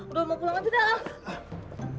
udah mau pulang aja dah